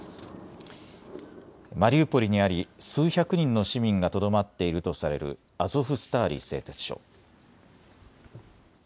マリウポリにあり数百人の市民がとどまっているとされるアゾフスターリ製鉄所。